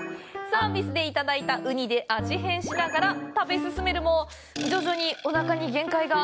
サービスでいただいたウニで味変しながら食べ進めるも徐々におなかに限界が！